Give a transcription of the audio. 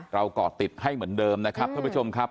ก่อติดให้เหมือนเดิมนะครับท่านผู้ชมครับ